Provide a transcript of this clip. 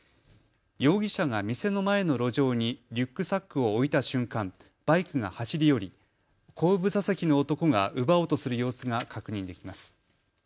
容疑者が店の前の路上にリュックサックを置いた瞬間バイクが走り寄り後部座席の男が奪おうとする様子が確認できます。